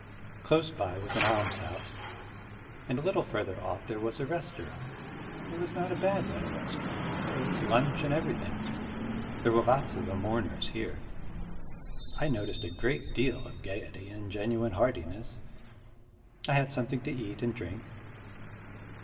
Close by was an almshouse, and a little further off there was a restaurant. It was not a bad little restaurant: there was lunch and everything. There were lots of the mourners here. I noticed a great deal of gaiety and genuine heartiness. I had something to eat and drink.